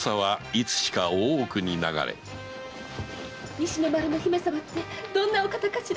西の丸の姫様ってどんなお方かしら？